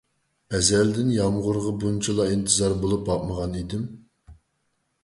ئەزەلدىن يامغۇرغا بۇنچىلا ئىنتىزار بولۇپ باقمىغان ئىدىم.